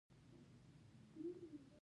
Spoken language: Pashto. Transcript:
زه شاين يم ته ټپوس.